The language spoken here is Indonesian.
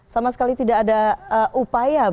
sama sekali tidak ada upaya